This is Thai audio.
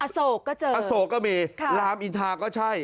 โศกก็เจออโศกก็มีรามอินทาก็ใช่